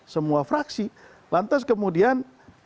semua fraksi lantas kemudian